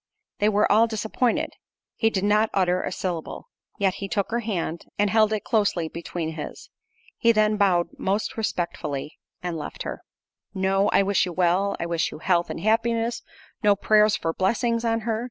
They were all disappointed—he did not utter a syllable. Yet he took her hand, and held it closely between his. He then bowed most respectfully and left her. No "I wish you well;—I wish you health and happiness." No "Prayers for blessings on her."